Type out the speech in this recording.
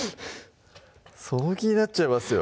その気になっちゃいますよ